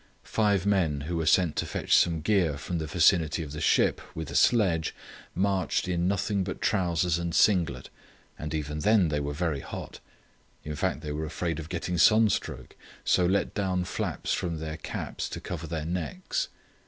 Five men who were sent to fetch some gear from the vicinity of the ship with a sledge marched in nothing but trousers and singlet, and even then were very hot; in fact they were afraid of getting sunstroke, so let down flaps from their caps to cover their necks.